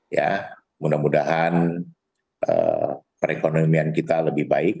ya mudah mudahan perekonomian kita lebih baik